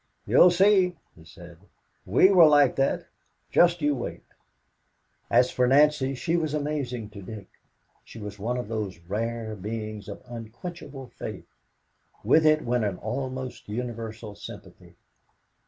"You'll see," he said. "We were like that just you wait." As for Nancy, she was amazing to Dick. She was one of those rare beings of unquenchable faith. With it went an almost universal sympathy.